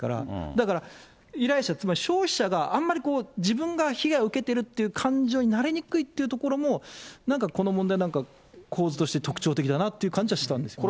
だから依頼者、つまり消費者があんまり自分が被害を受けているという感情になりにくいっていうところも、なんかこの問題の構図として特徴的だなという感じはしたんですね。